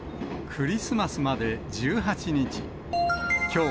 クリスマスまで１８日。